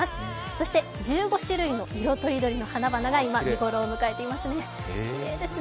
そして１５種類の色とりどりの花々が今、見頃を迎えていますね。